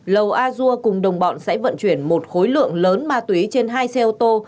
lầu a dua cùng đồng bọn sẽ vận chuyển một khối lượng lớn ma túy trên hai xe ô tô